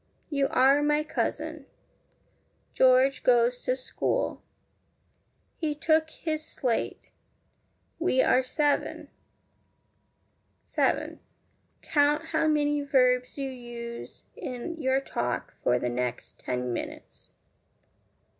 You are my cousin. George goes to school. He took his slate. We are seven. 7. Count how many verbs you use in your talk for the next ten minutes.